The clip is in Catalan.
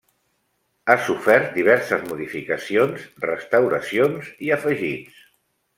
Ha sofert diverses modificacions, restauracions i afegits.